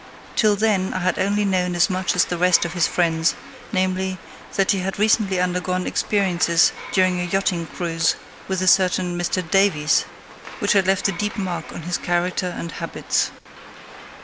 Till then I had only known as much as the rest of his friends, namely, that he had recently undergone experiences during a yachting cruise with a certain Mr "Davies" which had left a deep mark on his character and habits.